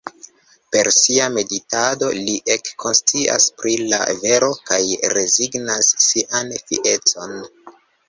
Per sia meditado li ekkonscias pri la vero kaj rezignas sian fiecon.